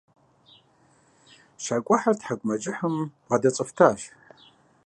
Щакӏуэхьэр тхьэкӏумэкӏыхьым бгъэдэцӏэфтащ.